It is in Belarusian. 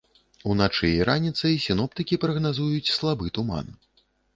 Уначы і раніцай сіноптыкі прагназуюць слабы туман.